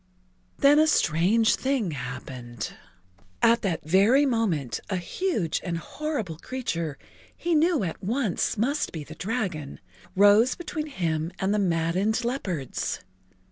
Then a strange thing happened. At that very moment a huge and horrible[Pg 23] creature he knew at once must be the dragon rose between him and the maddened leopards.